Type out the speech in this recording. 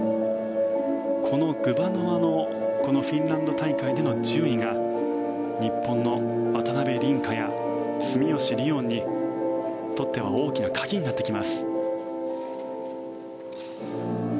このグバノワのフィンランド大会での順位が日本の渡辺倫果や住吉りをんにとっては大きな鍵になってきます。